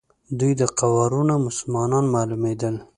دوی د قوارو نه مسلمانان معلومېدل.